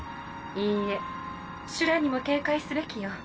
いいえシュラにも警戒すべきよ。